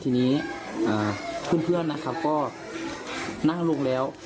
ทีนี้เพื่อนนะครับก็นั่งลงแล้ว